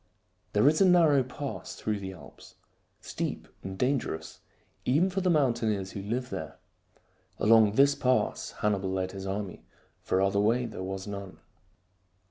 There is a narrow pass through the Alps, steep and dangerous even for the mountaineers who live there. Along this pass Hannibal led his army, for other way there was none.